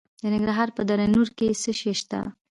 د ننګرهار په دره نور کې څه شی شته؟